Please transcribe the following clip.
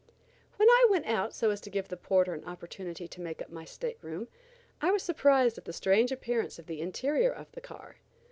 When I went out so as to give the porter an opportunity to make up my stateroom, I was surprised at the strange appearance of the interior of the car.